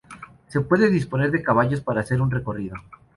Se puede disponer de caballos para hacer un recorrido.